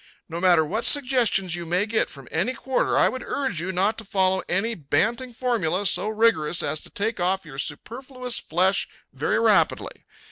No matter what suggestions you may get from any quarter, I would urge you not to follow any banting formula so rigorous as to take off your superfluous flesh very rapidly.